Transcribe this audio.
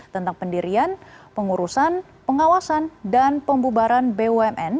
tentang pendirian pengurusan pengawasan dan pembubaran bumn